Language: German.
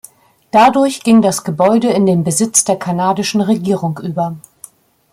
Dadurch ging das Gebäude in den Besitz der kanadischen Regierung über.